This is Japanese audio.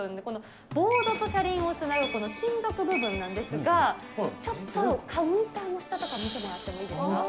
このボードと車輪をつなぐこの金属部分なんですが、ちょっとカウンターの下とか見てもらってもいいですか。